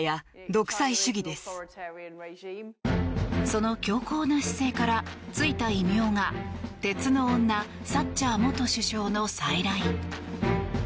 その強硬な姿勢からついた異名が鉄の女サッチャー元首相の再来。